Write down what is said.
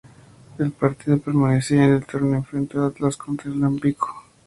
El partido por la permanencia en el torneo enfrentó al Atlas contra el Tampico.